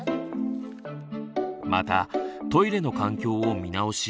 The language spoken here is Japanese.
またトイレの環境を見直し